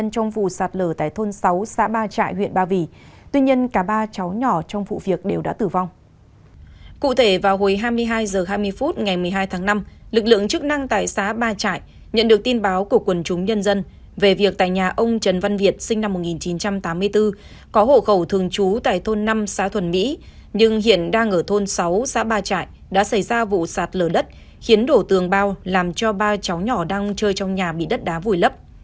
ngày một mươi hai tháng năm lực lượng chức năng tại xã ba trại nhận được tin báo của quần chúng nhân dân về việc tại nhà ông trần văn việt sinh năm một nghìn chín trăm tám mươi bốn có hộ khẩu thường trú tại thôn năm xã thuần mỹ nhưng hiện đang ở thôn sáu xã ba trại đã xảy ra vụ sạt lở đất khiến đổ tường bao làm cho ba cháu nhỏ đang chơi trong nhà bị đất đá vùi lấp